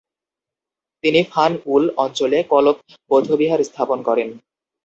তিনি 'ফান-য়ুল অঞ্চলে কলপ বৌদ্ধবিহার স্থাপন করেন।